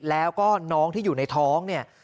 แล้วก็น้องที่อยู่ในท้องเนี่ย